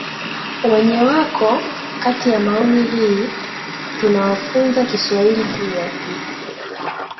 wenye wako kati ya maoni hi tunawafunza kiswahili pia